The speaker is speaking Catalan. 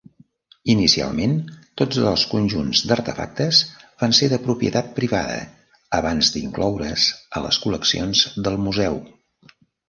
Inicialment, tots dos conjunts d'artefactes van ser de propietat privada abans d'incloure's a les col·leccions del museu.